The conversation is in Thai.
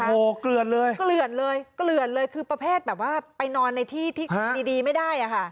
โอ้โหเกลือดเลยเกลือดเลยเกลือนเลยคือประเภทแบบว่าไปนอนในที่ที่ดีไม่ได้อะค่ะ